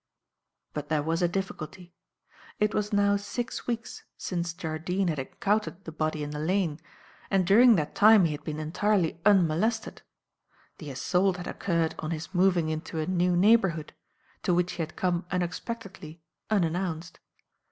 "But there was a difficulty. It was now six weeks since Jardine had encountered the body in the lane, and during that time he had been entirely unmolested. The assault had occurred on his moving into a new neighbourhood, to which he had come unexpectedly unannounced.